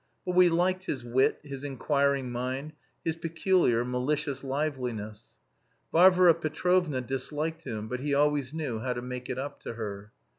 But we liked his wit, his inquiring mind, his peculiar, malicious liveliness. Varvara Petrovna disliked him, but he always knew how to make up to her.